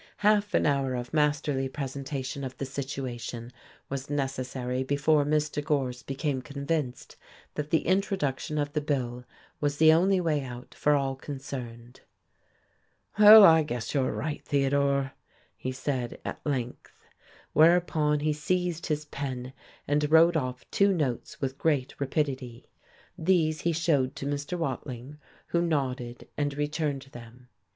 Half an hour of masterly presentation of the situation was necessary before Mr. Gorse became convinced that the introduction of the bill was the only way out for all concerned. "Well, I guess you're right, Theodore," he said at length. Whereupon he seized his pen and wrote off two notes with great rapidity. These he showed to Mr. Watling, who nodded and returned them.